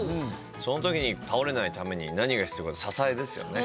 その時に倒れないために何が必要かって、支えですよね。